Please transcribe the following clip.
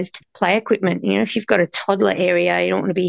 seperti gambar gambar makanan di kamar rumah itu